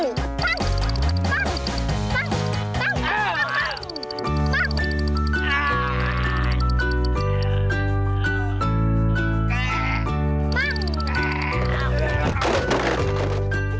กูจับตัวได้แล้ว